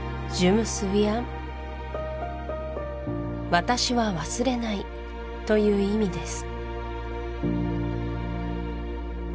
「私は忘れない」という意味です